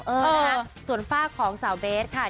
เออเออส่วนฟ่าของสาวเบสค่ะ